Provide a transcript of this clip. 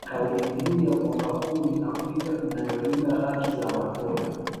Kauli mbiu ya mwaka huu ni Afrika inayolinda haki za watoto